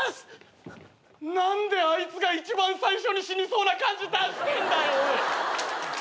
何であいつが一番最初に死にそうな感じ出してんだよ！